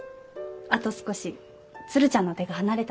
あと少し鶴ちゃんの手が離れたら。